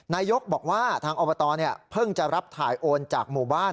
นายกบอกว่าทางอบตเพิ่งจะรับถ่ายโอนจากหมู่บ้าน